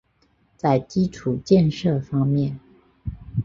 在基础建设方面